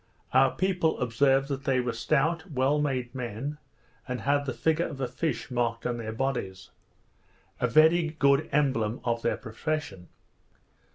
Our people observed that they were stout, well made men, and had the figure of a fish marked on their bodies; a very good emblem of their profession.